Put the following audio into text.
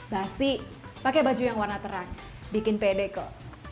basi pakai baju yang warna terang bikin pede kok